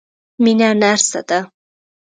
مينه نرسه ده.